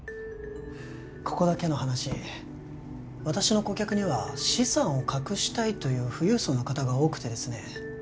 ここだけの話私の顧客には資産を隠したいという富裕層の方が多くてですね